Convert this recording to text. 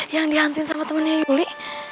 yang dihantuin sama temennya yuli